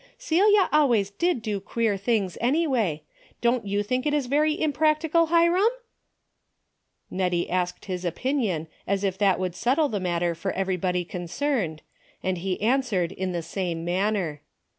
Celia always did do queer things, anyway. Don't you think it is very impractical, Hiram ?" JS^ettie asked his opinion as if that would settle the matter for everybody concerned, and he answered in the same manner.